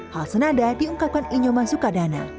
hal senada diungkapkan inyoman sukadana